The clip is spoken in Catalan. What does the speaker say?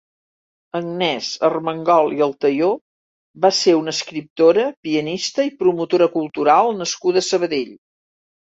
Agnès Armengol i Altayó va ser una escriptora, pianista i promotora cultural nascuda a Sabadell.